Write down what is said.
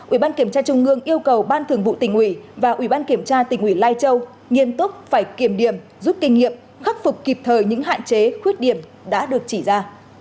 ubnd trung ương yêu cầu ban thường vụ tình ủy và ubnd tình ủy lai châu nghiêm túc phải kiểm điểm giúp kinh nghiệm khắc phục kịp thời những hạn chế khuyết điểm đã được chỉ ra